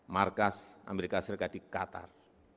markas amerika serikat di qatar